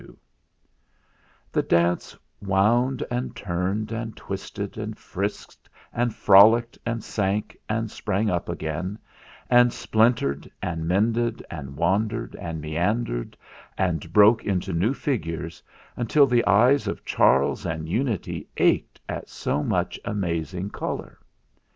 THE ZAGABOG'S STORY 137 The dance wound and turned and twisted and frisked and frolicked and sank and sprang up again, and splintered and mended and wandered and meandered and broke into new figures until the eyes of Charles and Unity ached at so much amazing colour.